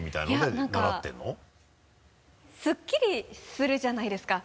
いや何かすっきりするじゃないですか。